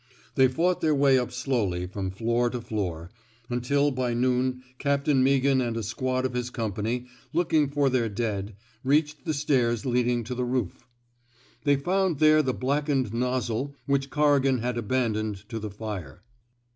They fought their way up slowly from floor to floor, until by noon Captain Meaghan and a squad of his company, looking for their dead, reached the stairs leading to the roof. They found there the blackened nozzle which Corrigan had abandoned to the fire.